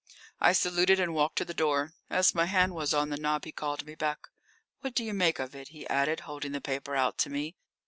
I saluted and walked to the door. As my hand was on the knob he called me back. "What do you make of it?" he asked, holding the paper out to me.